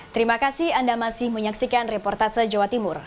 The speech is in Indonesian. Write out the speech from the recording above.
terima kasih anda masih menyaksikan reportase jawa timur